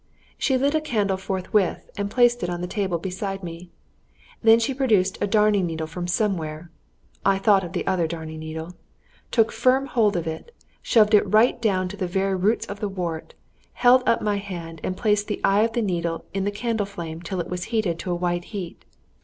She lit a candle forthwith, and placed it on the table beside me. Then she produced a darning needle from somewhere (I thought of the other darning needle), took firm hold of it, shoved it right down to the very roots of the wart, held up my hand, and placed the head of the needle in the candle flame till it was heated to a white heat.